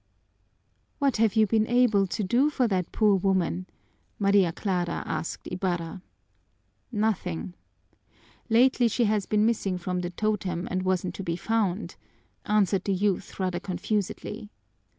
"What have you been able to do for that poor woman?" Maria Clara asked Ibarra. "Nothing! Lately she has been missing from the totem and wasn't to be found," answered the youth, rather confusedly.